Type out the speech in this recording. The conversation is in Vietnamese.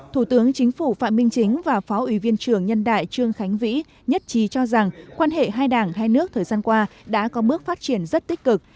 thủ tướng chính phủ phạm minh chính và phó ủy viên trưởng nhân đại trương khánh vĩ nhất trí cho rằng quan hệ hai đảng hai nước thời gian qua đã có bước phát triển rất tích cực